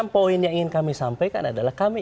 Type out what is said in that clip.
poin yang ingin kami sampaikan adalah kami